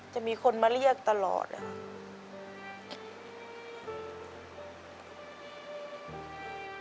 จะมีคนมาเรียกตลอดนะครับ